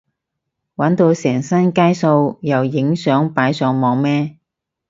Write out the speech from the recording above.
玩到成身街數又影相擺上網咩？